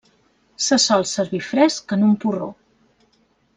Se sol servir fresc en un porró.